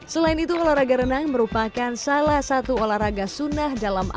selain itu olahraga renang merupakan salah satu olahraga sunnah dalam arti